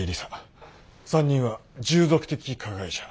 ３人は従属的加害者。